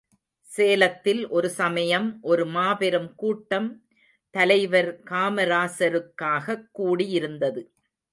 சேலத்தில் ஒரு சமயம் ஒரு மாபெரும் கூட்டம் தலைவர் காமராசருக்காகக் கூடியிருந்தது.